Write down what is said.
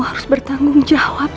harus bertanggung jawab